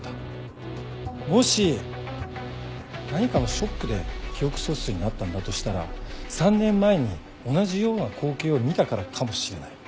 もし何かのショックで記憶喪失になったんだとしたら３年前に同じような光景を見たからかもしれない。